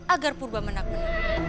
agar purba meneng